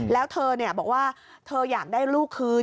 แล้วเธอบอกว่าเธออยากได้ลูกคืน